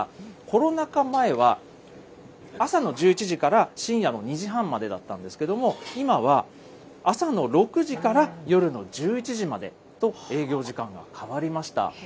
コロナ禍前は朝の１１時から深夜の２時半までだったんですけども、今は朝の６時から夜の１１時までと、営業時間が変わりました。